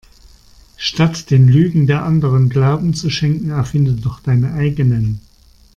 Statt den Lügen der Anderen Glauben zu schenken erfinde doch deine eigenen.